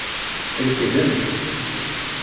Rekdent.